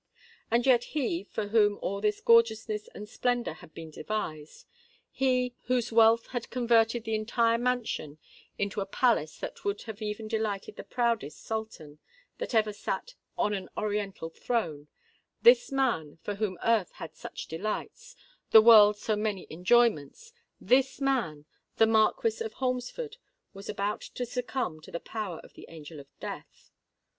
And yet he, for whom all this gorgeousness and splendour had been devised,—he, whose wealth had converted the entire mansion into a palace that would have even delighted the proudest Sultan that ever sate on an oriental throne,—this man, for whom earth had such delights—the world so many enjoyments,—this man—the Marquis of Holmesford—was about to succumb to the power of the Angel of Death.